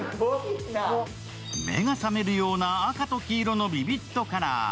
目が覚めるような赤と黄色のビビッドカラー。